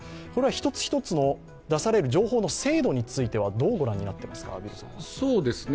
一つ一つの出される情報の精度についてはどう御覧になっていますか？